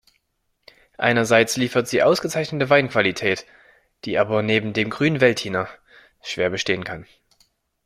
Einerseits liefert sie ausgezeichnete Weinqualität, die aber neben dem Grünen Veltliner schwer bestehen kann.